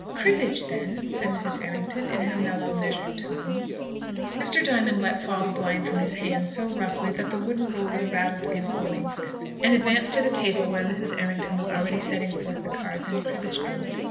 "Cribbage then?" said Mrs. Errington in her mellow, measured tones. Mr. Diamond let fall the blind from his hand so roughly that the wooden roller rattled against the wainscot, and advanced to the table where Mrs. Errington was already setting forth the cards and cribbage board.